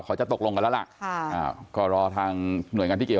จะตกลงกันแล้วล่ะก็รอทางหน่วยงานที่เกี่ยว